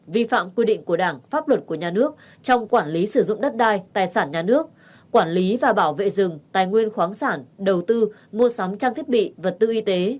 vi phạm quy định của đảng pháp luật của nhà nước trong quản lý sử dụng đất đai tài sản nhà nước quản lý và bảo vệ rừng tài nguyên khoáng sản đầu tư mua sắm trang thiết bị vật tư y tế